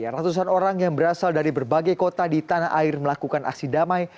ratusan orang yang berasal dari berbagai kota di tanah air melakukan aksi damai